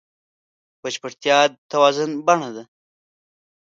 بشپړتیا د توازن بڼه ده.